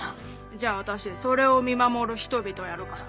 じゃあ私それを見守る人々やるから。